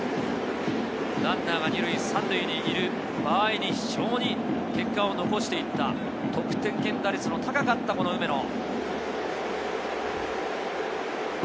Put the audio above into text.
ランナーが２塁３塁にいる場合に非常に結果を残していった、得点圏打率の高かった梅野。